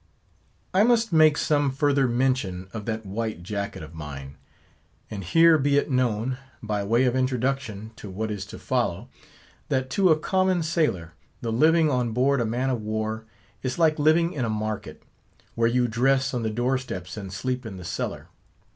I MUST make some further mention of that white jacket of mine. And here be it known—by way of introduction to what is to follow—that to a common sailor, the living on board a man of war is like living in a market; where you dress on the door steps, and sleep in the cellar.